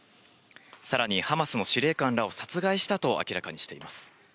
さらにハマスの司令官らを殺害したと明らかにしています。